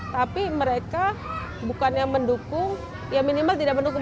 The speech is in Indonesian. tapi mereka bukan yang mendukung ya minimal tidak mendukung